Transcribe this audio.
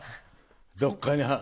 どっかに。